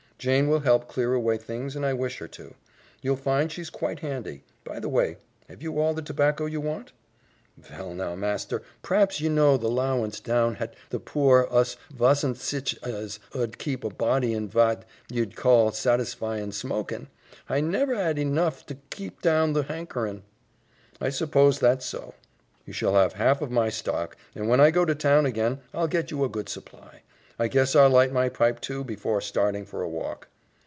Jane will help clear away things and I wish her to. You'll find she's quite handy. By the way, have you all the tobacco you want?" "Vell, now, master, p'raps ye know the 'lowance down hat the poor us vasn't sich as ud keep a body in vat ye'd call satisfyin' smokin'. Hi never 'ad henough ter keep down the 'ankerin'." "I suppose that's so. You shall have half of my stock, and when I go to town again, I'll get you a good supply. I guess I'll light my pipe, too, before starting for a walk."